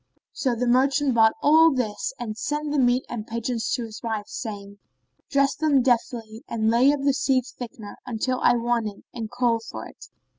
So the merchant bought all this and sent the meat and pigeons to his wife, saying, "Dress them deftly and lay up the seed thickener until I want it and call for it."